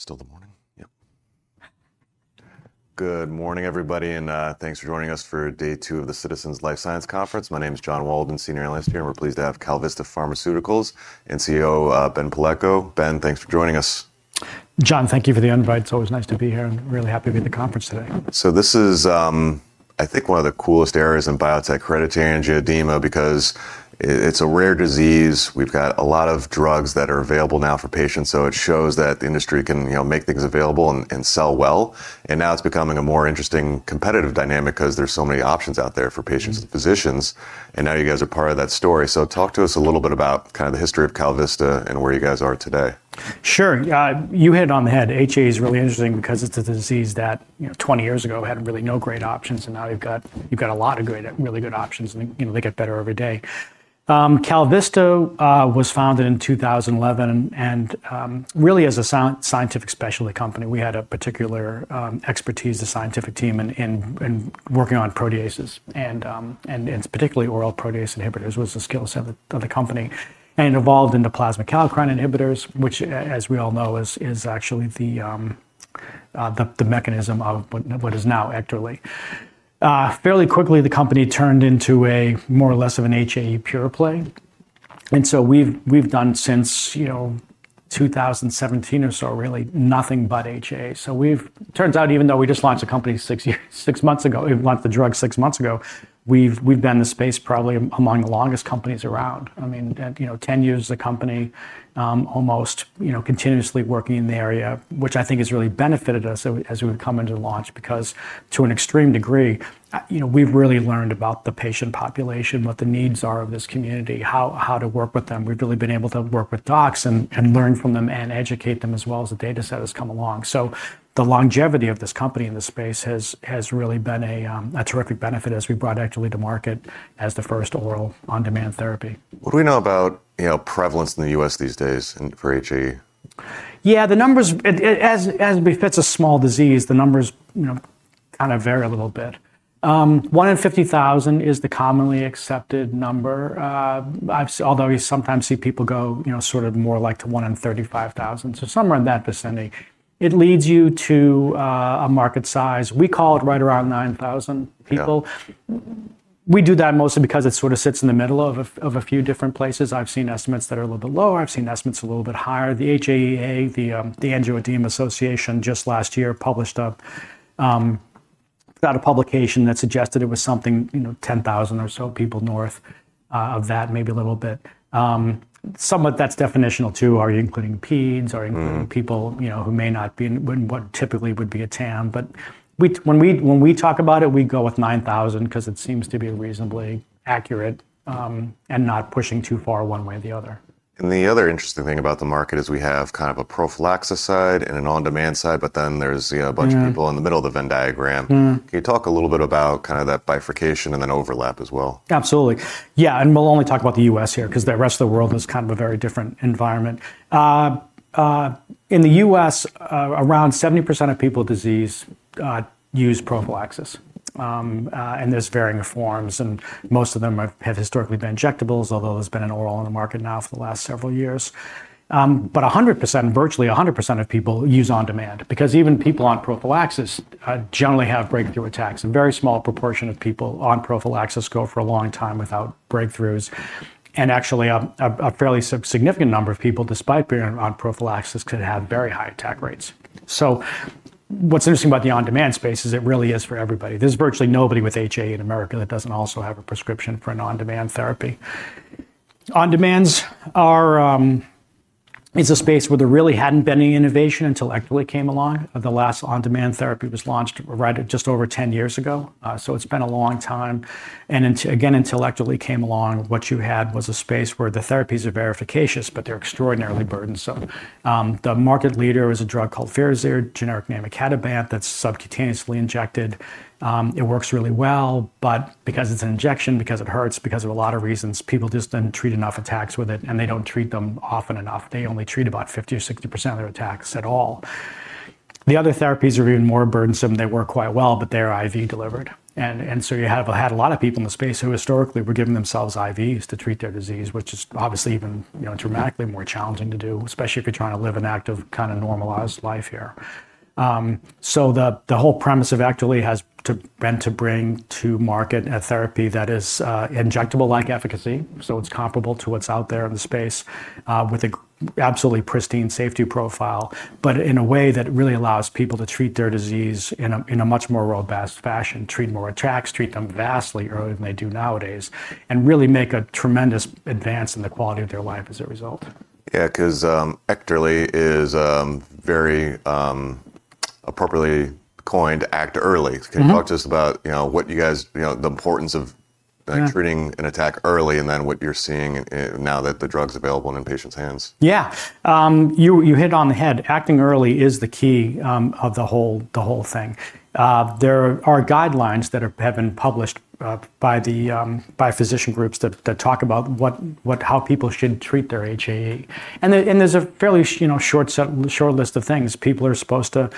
Still the morning? Yep. Good morning, everybody, and thanks for joining us for day two of the Citizens JMP Life Sciences Conference. My name is John Walden, senior analyst here, and we're pleased to have KalVista Pharmaceuticals and CEO Ben Palleiko. Ben, thanks for joining us. John, thank you for the invite. It's always nice to be here, and really happy to be at the conference today. This is, I think, one of the coolest areas in biotech, hereditary angioedema, because it's a rare disease. We've got a lot of drugs that are available now for patients, so it shows that the industry can, you know, make things available and sell well. Now it's becoming a more interesting competitive dynamic because there's so many options out there for patients and physicians, and now you guys are part of that story. Talk to us a little bit about kind of the history of KalVista and where you guys are today. Sure. Yeah. You hit it on the head. HAE is really interesting because it's a disease that, you know, 20 years ago had really no great options, and now you've got a lot of great, really good options and, you know, they get better every day. KalVista was founded in 2011, and really as a scientific specialty company. We had a particular expertise, the scientific team in working on proteases and particularly oral protease inhibitors was the skill set of the company. It evolved into plasma kallikrein inhibitors, which as we all know, is actually the mechanism of what is now EKTERLY. Fairly quickly, the company turned into a more or less of an HAE pure play. We've done since, you know, 2017 or so really nothing but HAE. It turns out, even though we just launched the company six months ago, we launched the drug six months ago, we've been in the space probably among the longest companies around. I mean, you know, 10 years as a company, almost, you know, continuously working in the area, which I think has really benefited us as we've come into the launch. Because to an extreme degree, you know, we've really learned about the patient population, what the needs are of this community, how to work with them. We've really been able to work with docs and learn from them and educate them as well as the data set has come along. The longevity of this company in this space has really been a terrific benefit as we brought EKTERLY to market as the first oral on-demand therapy. What do we know about, you know, prevalence in the U.S. these days and for HAE? Yeah, the numbers, as befits a small disease, the numbers, you know, kind of vary a little bit. One in 50,000 is the commonly accepted number, although you sometimes see people go, you know, sort of more like to one in 35,000, so somewhere in that vicinity. It leads you to a market size, we call it right around 9,000 people. Yeah. We do that mostly because it sort of sits in the middle of a few different places. I've seen estimates that are a little bit lower. I've seen estimates a little bit higher. The HAEA, the Hereditary Angioedema Association, just last year published a publication that suggested it was something 10,000 or so people north of that, maybe a little bit. Something that's definitional, too. Are you including peds? Are you including people, you know, who may not be in what typically would be a TAM? We, when we talk about it, we go with 9,000 because it seems to be reasonably accurate, and not pushing too far one way or the other. The other interesting thing about the market is we have kind of a prophylaxis side and an on-demand side, but then there's, you know. A bunch of people in the middle of the Venn diagram. Can you talk a little bit about kind of that bifurcation and then overlap as well? Absolutely. Yeah, we'll only talk about the U.S. here because the rest of the world is kind of a very different environment. In the U.S., around 70% of people with disease use prophylaxis. There's varying forms, and most of them have historically been injectables, although there's been an oral on the market now for the last several years. 100%, virtually 100% of people use on-demand because even people on prophylaxis generally have breakthrough attacks. A very small proportion of people on prophylaxis go for a long time without breakthroughs. Actually, a fairly significant number of people, despite being on prophylaxis, could have very high attack rates. What's interesting about the on-demand space is it really is for everybody. There's virtually nobody with HAE in America that doesn't also have a prescription for an on-demand therapy. On-demand is a space where there really hadn't been any innovation until EKTERLY came along. The last on-demand therapy was launched right at just over 10 years ago. So it's been a long time. Again, until EKTERLY came along, what you had was a space where the therapies are very efficacious, but they're extraordinarily burdensome. The market leader is a drug called Firazyr, generic name icatibant, that's subcutaneously injected. It works really well, but because it's an injection, because it hurts, because of a lot of reasons, people just didn't treat enough attacks with it, and they don't treat them often enough. They only treat about 50 or 60% of their attacks at all. The other therapies are even more burdensome. They work quite well, but they are IV delivered. You have had a lot of people in the space who historically were giving themselves IVs to treat their disease, which is obviously even, you know, dramatically more challenging to do, especially if you're trying to live an active, kind of normalized life here. The whole premise of EKTERLY has been to bring to market a therapy that is injectable like efficacy, so it's comparable to what's out there in the space, with an absolutely pristine safety profile, but in a way that really allows people to treat their disease in a much more robust fashion, treat more attacks, treat them vastly earlier than they do nowadays, and really make a tremendous advance in the quality of their life as a result. Yeah, 'cause EKTERLY is very appropriately coined Ecto Early. Can you talk to us about, you know, what you guys, you know, the importance of treating an attack early and then what you're seeing now that the drug's available and in patients' hands? Yeah. You hit it on the head. Acting early is the key of the whole thing. There are guidelines that have been published by physician groups that talk about what how people should treat their HAE. There's a fairly you know, short list of things. People are supposed to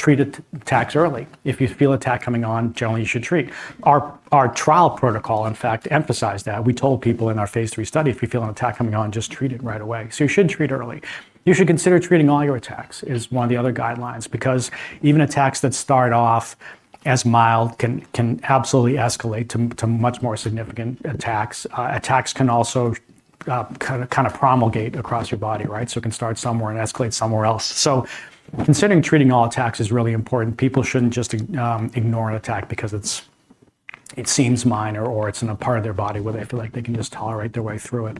treat attacks early. If you feel attack coming on, generally you should treat. Our trial protocol, in fact, emphasized that. We told people in our phase III study, "If you feel an attack coming on, just treat it right away." You should treat early. You should consider treating all your attacks, is one of the other guidelines, because even attacks that start off as mild can absolutely escalate to much more significant attacks. Attacks can also kind of propagate across your body, right? It can start somewhere and escalate somewhere else. Considering treating all attacks is really important. People shouldn't just ignore an attack because it seems minor or it's in a part of their body where they feel like they can just tolerate their way through it.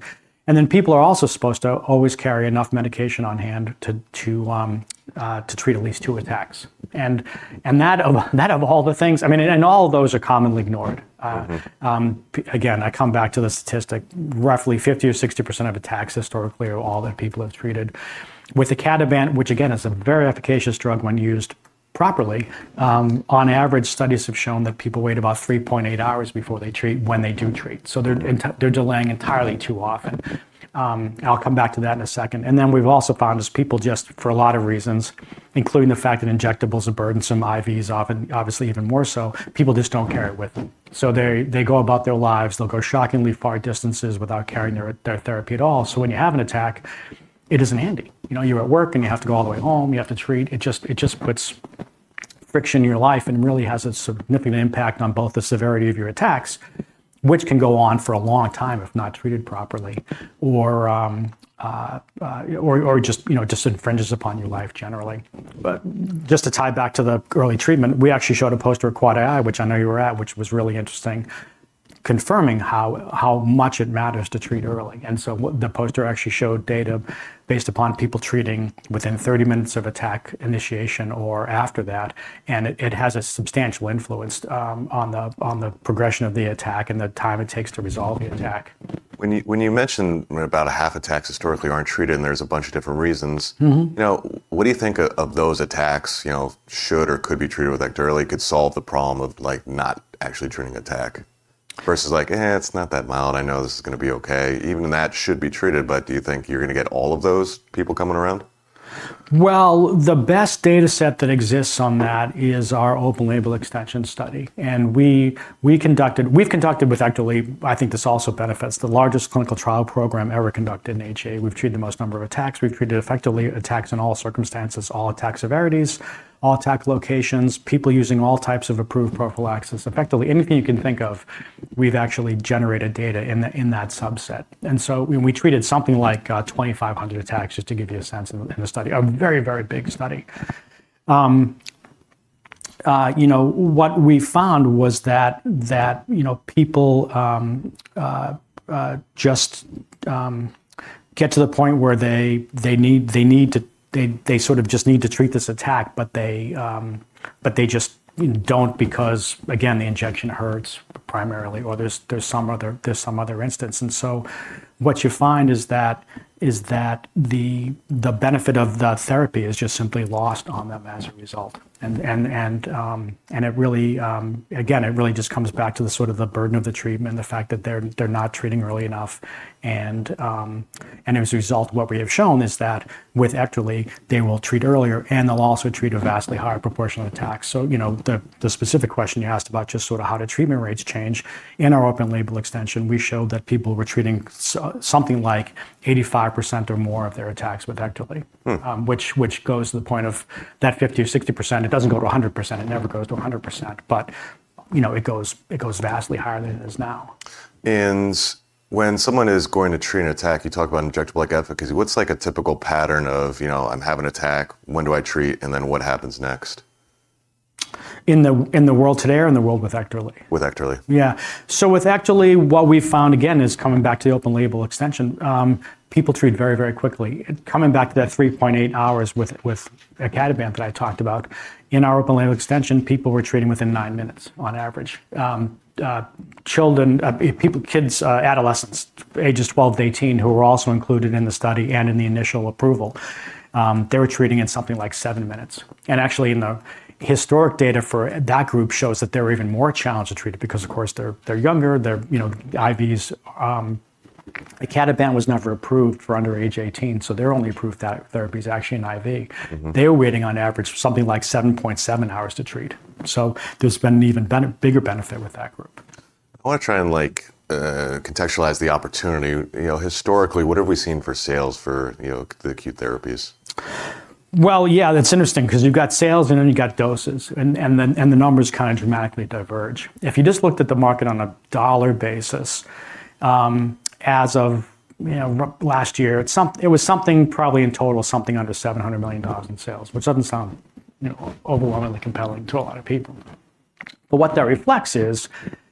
People are also supposed to always carry enough medication on hand to treat at least two attacks. That, of all the things, I mean, all of those are commonly ignored. Again, I come back to the statistic, roughly 50%-60% of attacks historically are all that people have treated. With the icatibant, which again is a very efficacious drug when used properly, on average, studies have shown that people wait about 3.8 hours before they treat when they do treat. They're delaying entirely too often. I'll come back to that in a second. Then we've also found is people just for a lot of reasons, including the fact that injectables are burdensome, IVs often obviously even more so, people just don't carry it with them. They go about their lives, they'll go shockingly far distances without carrying their therapy at all. When you have an attack, it isn't handy. You know, you're at work and you have to go all the way home, you have to treat. It just puts friction in your life and really has a significant impact on both the severity of your attacks, which can go on for a long time if not treated properly, or just infringes upon your life generally. Just to tie back to the early treatment, we actually showed a poster at AAAAI, which I know you were at, which was really interesting, confirming how much it matters to treat early. What the poster actually showed data based upon people treating within 30 minutes of attack initiation or after that. It has a substantial influence on the progression of the attack and the time it takes to resolve the attack. When you mention about a half attacks historically aren't treated, and there's a bunch of different reasons. You know, what do you think of those attacks, you know, should or could be treated with EKTERLY could solve the problem of like not actually treating attack versus like, it's not that mild, I know this is gonna be okay. Even that should be treated, but do you think you're gonna get all of those people coming around? Well, the best data set that exists on that is our open label extension study. We've conducted with EKTERLY, I think this also benefits the largest clinical trial program ever conducted in HAE. We've treated the most number of attacks. We've treated effectively attacks in all circumstances, all attack severities, all attack locations, people using all types of approved prophylaxis. Effectively anything you can think of, we've actually generated data in that subset. When we treated something like 2,500 attacks, just to give you a sense in the study, a very, very big study, you know, what we found was that people just get to the point where they need to treat this attack, but they just don't because again, the injection hurts primarily or there's some other instance. It really, again, it really just comes back to the sort of the burden of the treatment, the fact that they're not treating early enough. As a result, what we have shown is that with EKTERLY, they will treat earlier, and they'll also treat a vastly higher proportion of attacks. You know, the specific question you asked about just sort of how do treatment rates change. In our open label extension, we showed that people were treating something like 85% or more of their attacks with EKTERLY. Which goes to the point of that 50% or 60%. It doesn't go to 100%. It never goes to 100%, but, you know, it goes vastly higher than it is now. When someone is going to treat an attack, you talk about injectable efficacy. What's like a typical pattern of, you know, I'm having an attack, when do I treat, and then what happens next? In the world today or in the world with EKTERLY? With EKTERLY. Yeah. With EKTERLY, what we've found again, is coming back to the open label extension, people treat very, very quickly. Coming back to that 3.8 hours with icatibant that I talked about, in our open label extension, people were treating within nine minutes on average. Children, people, kids, adolescents ages 12 to 18, who were also included in the study and in the initial approval, they were treating in something like seven minutes. Actually in the historic data for that group shows that they were even more challenged to treat it because of course, they're younger, you know, IVs. Icatibant was never approved for under age 18, so their only approved therapy is actually an IV. Mm-hmm. They were waiting on average for something like 7.7 hours to treat. There's been an even bigger benefit with that group. I wanna try and like, contextualize the opportunity. You know, historically, what have we seen for sales for, you know, the acute therapies? Well, yeah, that's interesting because you've got sales and then you've got doses and then the numbers kind of dramatically diverge. If you just looked at the market on a dollar basis, as of, you know, last year, it was something probably in total, something under $700 million in sales, which doesn't sound, you know, overwhelmingly compelling to a lot of people. What that reflects is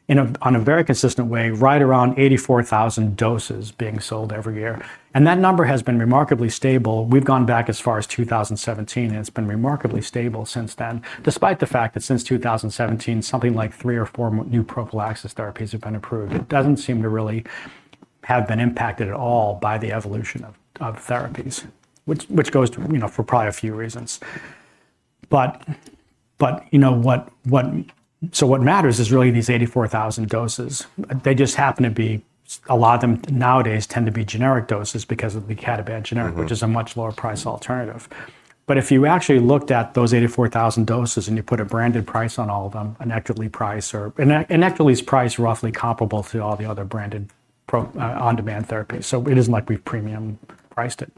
in a very consistent way, right around 84,000 doses being sold every year. That number has been remarkably stable. We've gone back as far as 2017, and it's been remarkably stable since then, despite the fact that since 2017, something like three or four new prophylaxis therapies have been approved. It doesn't seem to really have been impacted at all by the evolution of therapies, which goes to, you know, for probably a few reasons. You know what, so what matters is really these 84,000 doses. They just happen to be, a lot of them nowadays tend to be generic doses because of the icatibant generic which is a much lower priced alternative. If you actually looked at those 84,000 doses and you put a branded price on all of them, an EKTERLY price or an EKTERLY's price roughly comparable to all the other branded, on-demand therapies, so it isn't like we've premium priced it.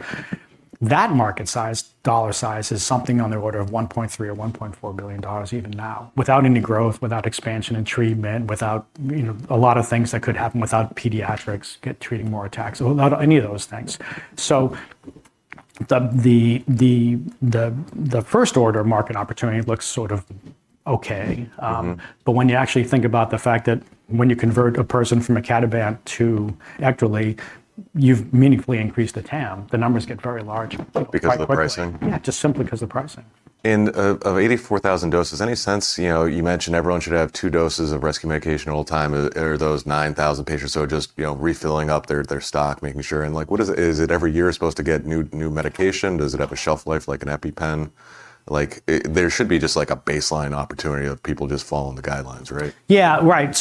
That market size, dollar size is something on the order of $1.3 or $1.4 billion even now, without any growth, without expansion in treatment, without a lot of things that could happen, without pediatrics treating more attacks, without any of those things. The first order market opportunity looks sort of okay. When you actually think about the fact that when you convert a person from icatibant to EKTERLY, you've meaningfully increased the TAM, the numbers get very large, quite quickly. Because of the pricing? Yeah, just simply 'cause the pricing. Out of 84,000 doses, any sense? You know, you mentioned everyone should have two doses of rescue medication at all times. Are those 9,000 patients though just, you know, refilling up their stock, making sure? Like, what is it? Is it every year supposed to get new medication? Does it have a shelf life like an EpiPen? Like, there should be just like a baseline opportunity of people just following the guidelines, right? Yeah. Right.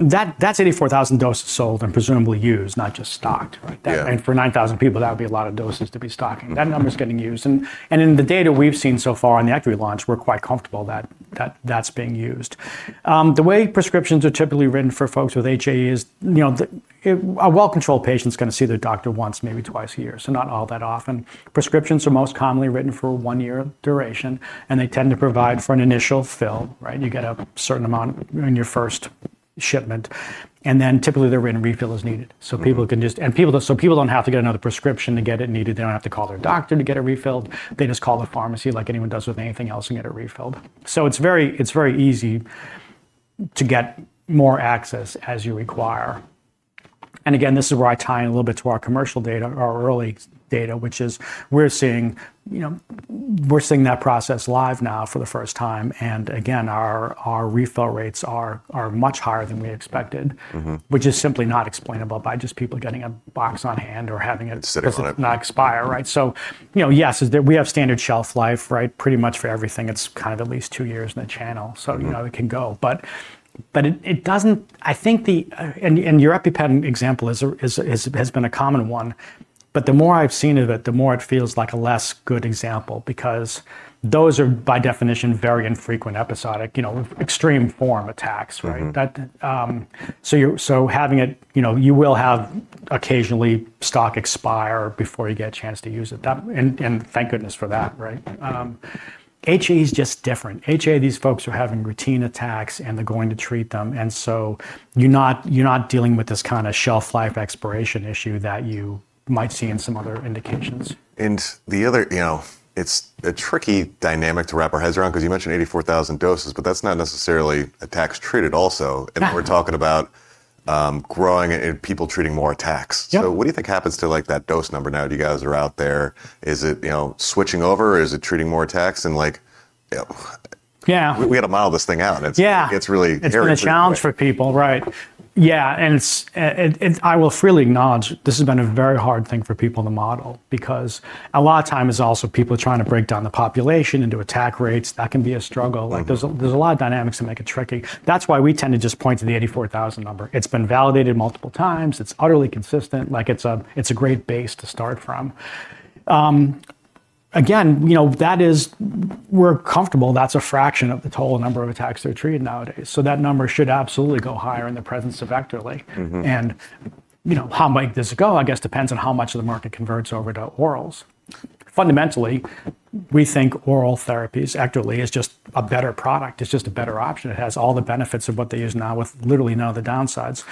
That's 84,000 doses sold and presumably used, not just stocked, right? Yeah. That for 9,000 people, that would be a lot of doses to be stocking. That number's getting used. And in the data we've seen so far on the EKTERLY launch, we're quite comfortable that that's being used. The way prescriptions are typically written for folks with HA is, you know, a well-controlled patient's gonna see their doctor once, maybe twice a year, so not all that often. Prescriptions are most commonly written for a one-year duration, and they tend to provide for an initial fill, right? You get a certain amount in your first shipment, and then typically they're written refill as needed. People don't have to get another prescription to get it needed. They don't have to call their doctor to get it refilled. They just call the pharmacy like anyone does with anything else and get it refilled. It's very easy to get more access as you require. Again, this is where I tie in a little bit to our commercial data, our early data, which is we're seeing, you know, that process live now for the first time. Again, our refill rates are much higher than we expected. Which is simply not explainable by just people getting a box on hand or having it. Sitting on it. Not expire, right? You know, we have standard shelf life, right? Pretty much for everything, it's kind of at least two years in the channel. You know, it can go. But it doesn't. Your EpiPen example has been a common one, but the more I've seen of it, the more it feels like a less good example, because those are by definition very infrequent, episodic, you know, extreme form attacks, right? You know, you will have occasionally stock expire before you get a chance to use it. Thank goodness for that, right? HAE is just different. HAE, these folks are having routine attacks, and they're going to treat them, so you're not dealing with this kind of shelf life expiration issue that you might see in some other indications. You know, it's a tricky dynamic to wrap our heads around 'cause you mentioned 84,000 doses, but that's not necessarily attacks treated also. No. We're talking about, growing and people treating more attacks. Yeah. What do you think happens to like that dose number now that you guys are out there? Is it, you know, switching over or is it treating more attacks? We gotta model this thing out, and it's. It's really very intriguing. It's been a challenge for people. Right. Yeah. It's and I will freely acknowledge this has been a very hard thing for people to model, because a lot of time is also people trying to break down the population into attack rates. That can be a struggle. Like there's a lot of dynamics that make it tricky. That's why we tend to just point to the 84,000 number. It's been validated multiple times. It's utterly consistent. Like it's a great base to start from. Again, you know, we're comfortable that's a fraction of the total number of attacks that are treated nowadays. That number should absolutely go higher in the presence of EKTERLY. You know, how high does it go, I guess, depends on how much of the market converts over to orals. Fundamentally, we think oral therapies, EKTERLY is just a better product. It's just a better option. It has all the benefits of what they use now with literally none of the downsides.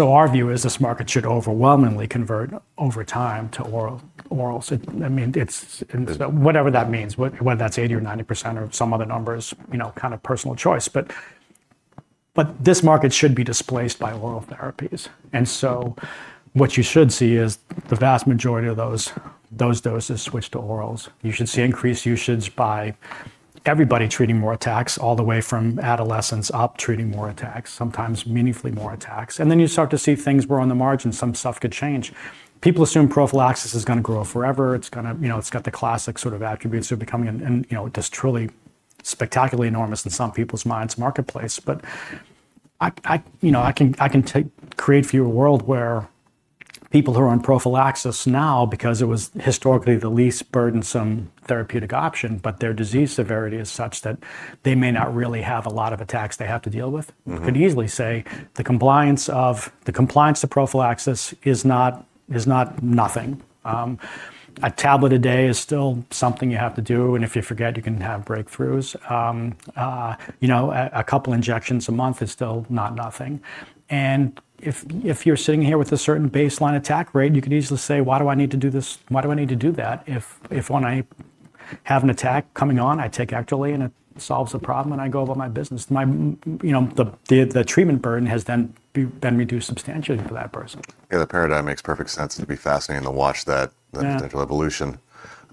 Our view is this market should overwhelmingly convert over time to oral orals. I mean, it's. Whatever that means, whether that's 80% or 90% or some other number is, you know, kind of personal choice. But this market should be displaced by oral therapies. What you should see is the vast majority of those doses switch to orals. You should see increased usages by everybody treating more attacks, all the way from adolescents up, treating more attacks, sometimes meaningfully more attacks. You start to see things where on the margin some stuff could change. People assume prophylaxis is gonna grow forever. It's gonna, you know, it's got the classic sort of attributes of becoming an, you know, this truly spectacularly enormous, in some people's minds, marketplace. You know, I can create for you a world where people who are on prophylaxis now because it was historically the least burdensome therapeutic option, but their disease severity is such that they may not really have a lot of attacks they have to deal with. Could easily say the compliance to prophylaxis is not nothing. A tablet a day is still something you have to do, and if you forget, you can have breakthroughs. You know, a couple injections a month is still not nothing. If you're sitting here with a certain baseline attack rate, you could easily say, "Why do I need to do this? Why do I need to do that if when I have an attack coming on, I take EKTERLY and it solves the problem, and I go about my business?" You know, the treatment burden has then been reduced substantially for that person. Yeah, the paradigm makes perfect sense. It'll be fascinating to watch that potential evolution.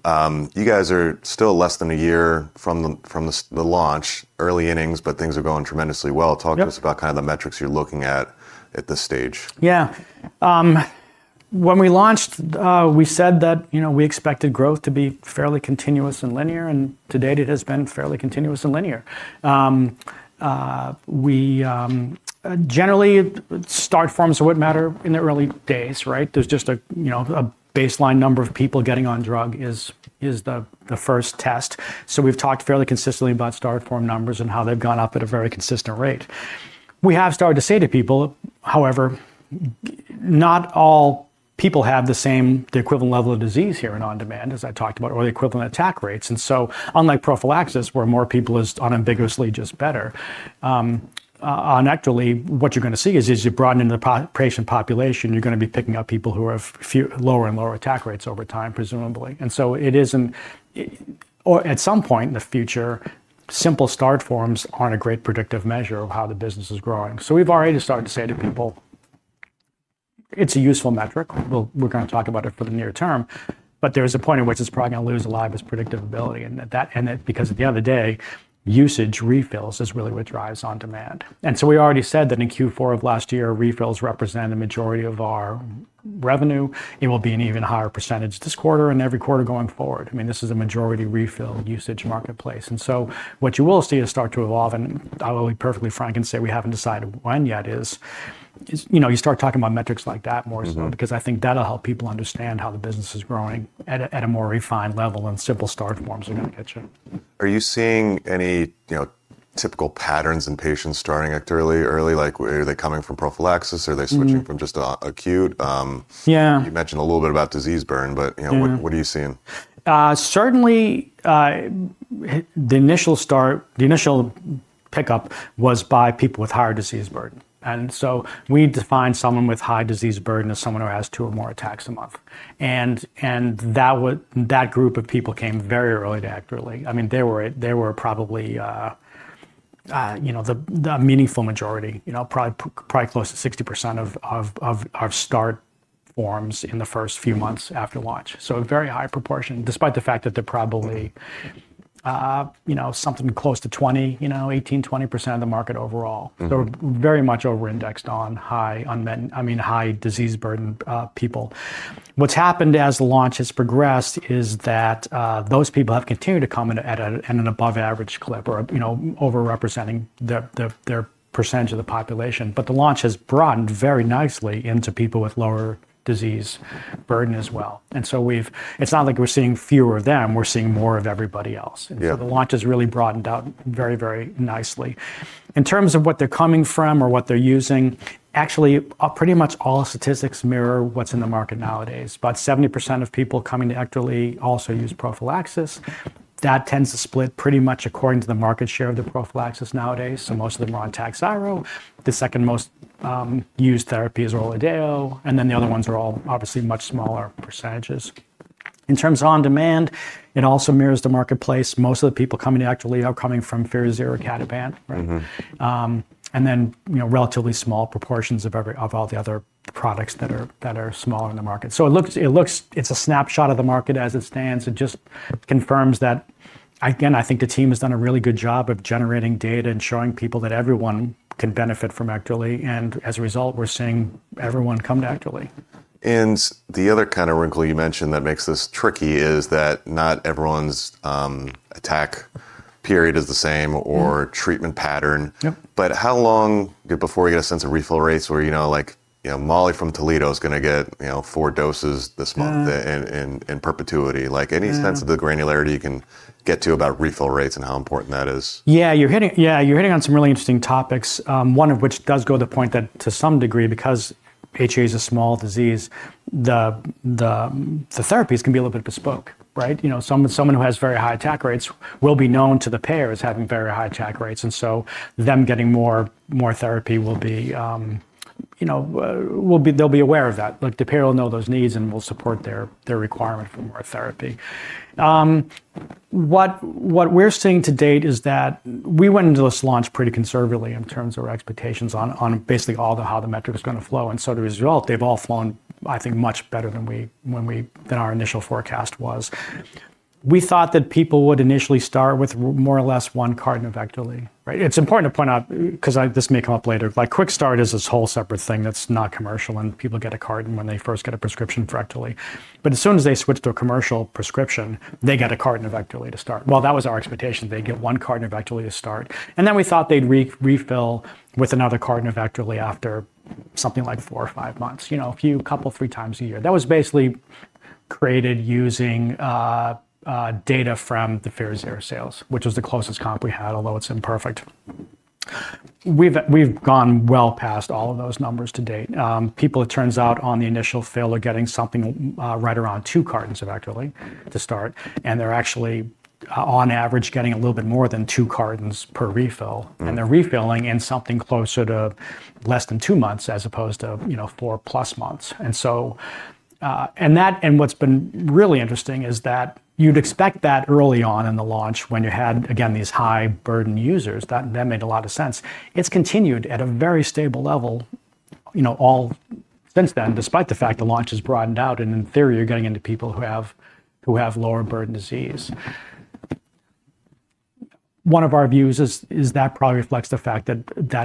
You guys are still less than a year from the launch, early innings, but things are going tremendously well. Talk to us about kind of the metrics you're looking at at this stage? When we launched, we said that, you know, we expected growth to be fairly continuous and linear, and to date it has been fairly continuous and linear. We generally start forms would matter in the early days, right? There's just a, you know, a baseline number of people getting on drug is the first test. We've talked fairly consistently about start form numbers and how they've gone up at a very consistent rate. We have started to say to people, however, not all people have the same the equivalent level of disease here in on-demand, as I talked about, or the equivalent attack rates. Unlike prophylaxis, where more people is unambiguously just better, and actually what you're gonna see is as you broaden into the patient population, you're gonna be picking up people who have lower and lower attack rates over time, presumably. It isn't or at some point in the future, simple start forms aren't a great predictive measure of how the business is growing. We've already started to say to people, "It's a useful metric. We're gonna talk about it for the near term, but there is a point at which it's probably gonna lose a lot of its predictability and that because at the end of the day, usage refills is really what drives on-demand." We already said that in Q4 of last year, refills represent the majority of our revenue. It will be an even higher percentage this quarter and every quarter going forward. I mean, this is a majority refill usage marketplace. What you will see is start to evolve, and I'll be perfectly frank and say we haven't decided when yet, is you know, you start talking about metrics like that more so because I think that'll help people understand how the business is growing at a more refined level than simple start forms are gonna get you. Are you seeing any, you know, typical patterns in patients starting EKTERLY early? Like, are they coming from prophylaxis? Are they switching from just acute? You mentioned a little bit about disease burden, but you know, what are you seeing? Certainly, the initial start, the initial pickup was by people with higher disease burden. We define someone with high disease burden as someone who has two or more attacks a month. That group of people came very early to EKTERLY. I mean, they were, they were probably, you know, the meaningful majority. You know, probably close to 60% of start forms in the first few months after launch. A very high proportion, despite the fact that they're probably, you know, something close to 18%-20% of the market overall. Mm-hmm. They're very much over-indexed on high unmet, I mean, high disease burden, people. What's happened as the launch has progressed is that, those people have continued to come at an above average clip or, you know, overrepresenting their percentage of the population. But the launch has broadened very nicely into people with lower disease burden as well. It's not like we're seeing fewer of them, we're seeing more of everybody else. Yeah. The launch has really broadened out very, very nicely. In terms of what they're coming from or what they're using, actually, pretty much all statistics mirror what's in the market nowadays. About 70% of people coming to EKTERLY also use prophylaxis. That tends to split pretty much according to the market share of the prophylaxis nowadays, so most of them are on Takhzyro. The second most used therapy is Orladeyo, and then the other ones are all obviously much smaller percentages. In terms of on-demand, it also mirrors the marketplace. Most of the people coming to EKTERLY are coming from Firazyr or Kalbitor, right? Mm-hmm. You know, relatively small proportions of all the other products that are smaller in the market. It looks like it's a snapshot of the market as it stands. It just confirms that, again, I think the team has done a really good job of generating data and showing people that everyone can benefit from EKTERLY, and as a result, we're seeing everyone come to EKTERLY. The other kind of wrinkle you mentioned that makes this tricky is that not everyone's attack period is the same or treatment pattern. Yep. How long before you get a sense of refill rates where, you know, like, you know, Molly from Toledo is gonna get, you know, four doses this month in perpetuity. Like, any sense of the granularity you can get to about refill rates and how important that is? Yeah, you're hitting on some really interesting topics, one of which does go to the point that to some degree, because HAE is a small disease, the therapies can be a little bit bespoke, right? You know, someone who has very high attack rates will be known to the payer as having very high attack rates, and so them getting more therapy will be. They'll be aware of that. Like, the payer will know those needs and will support their requirement for more therapy. What we're seeing to date is that we went into this launch pretty conservatively in terms of our expectations on basically all the how the metrics are gonna flow. The result, they've all flown I think much better than our initial forecast was. We thought that people would initially start with more or less one carton of EKTERLY, right? It's important to point out, 'cause this may come up later, like Quick Start is this whole separate thing that's not commercial, and people get a carton when they first get a prescription for EKTERLY. But as soon as they switch to a commercial prescription, they get a carton of EKTERLY to start. Well, that was our expectation. They get one carton of EKTERLY to start, and then we thought they'd refill with another carton of EKTERLY after something like four or five months. You know, a few, couple, three times a year. That was basically created using data from the Firazyr sales, which was the closest comp we had, although it's imperfect. We've gone well past all of those numbers to date. People, it turns out, on the initial fill are getting something right around two cartons of EKTERLY to start, and they're actually on average getting a little bit more than two cartons per refill. Mm-hmm. They're refilling in something closer to less than two months as opposed to, you know, four plus months. What's been really interesting is that you'd expect that early on in the launch when you had, again, these high burden users. That made a lot of sense. It's continued at a very stable level, you know, all since then, despite the fact the launch has broadened out and in theory you're getting into people who have lower burden disease. One of our views is that probably reflects the fact that,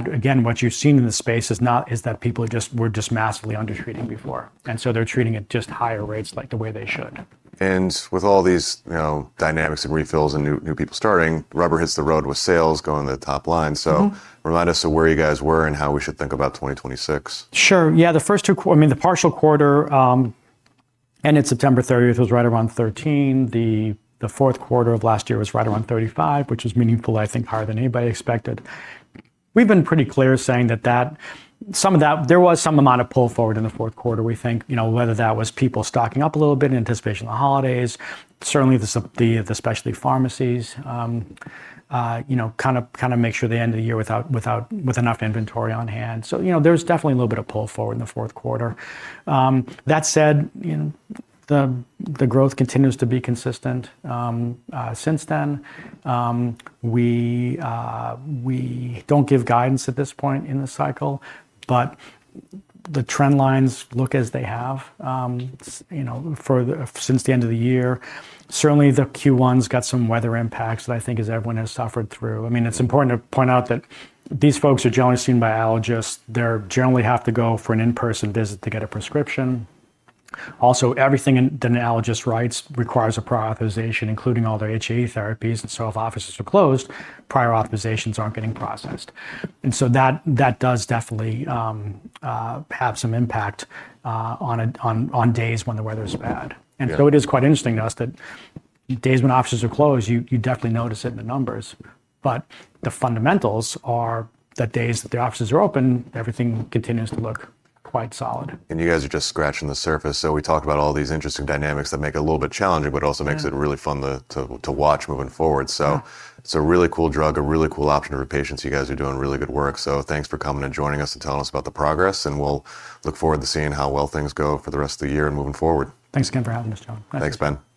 again, what you've seen in the space is that people were just massively under-treating before. They're treating at just higher rates like the way they should. With all these, you know, dynamics and refills and new people starting, rubber hits the road with sales going to the top line. Remind us of where you guys were and how we should think about 2026. Sure. Yeah, I mean, the partial quarter ended September 30th, it was right around 13. The fourth quarter of last year was right around 35, which was meaningful, I think, higher than anybody expected. We've been pretty clear saying that some of that there was some amount of pull forward in the fourth quarter, we think. You know, whether that was people stocking up a little bit in anticipation of the holidays. Certainly the specialty pharmacies, you know, kind of make sure they end the year with enough inventory on hand. You know, there's definitely a little bit of pull forward in the fourth quarter. That said, you know, the growth continues to be consistent since then. We don't give guidance at this point in the cycle, but the trend lines look as they have, you know, since the end of the year. Certainly the Q1's got some weather impacts that I think as everyone has suffered through. I mean, it's important to point out that these folks are generally seen by allergists. They're generally have to go for an in-person visit to get a prescription. Also, everything an allergist writes requires a prior authorization, including all their HAE therapies. If offices are closed, prior authorizations aren't getting processed. That does definitely have some impact on days when the weather's bad. Yeah. It is quite interesting to us that days when offices are closed, you definitely notice it in the numbers, but the fundamentals are that days that the offices are open, everything continues to look quite solid. You guys are just scratching the surface. We talked about all these interesting dynamics that make it a little bit challenging, but also makes it really fun to watch moving forward. It's a really cool drug, a really cool option for patients. You guys are doing really good work. Thanks for coming and joining us and telling us about the progress, and we'll look forward to seeing how well things go for the rest of the year and moving forward. Thanks again for having us, John. Thank you. Thanks, Ben.